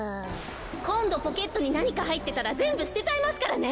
こんどポケットになにかはいってたらぜんぶすてちゃいますからね！